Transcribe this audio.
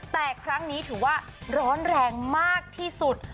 แต่ครั้งนี้ถือว่าร้อนแรงมากที่สุด